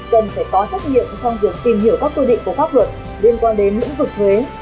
cần phải có trách nhiệm trong việc tìm hiểu các quy định của pháp luật liên quan đến lĩnh vực thuế